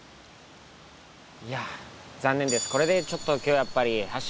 いやあ残念です。